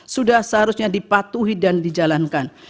sudah seharusnya dipatuhi dan dijalankan